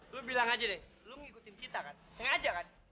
lo bilang aja deh lu ngikutin kita kan sengaja kan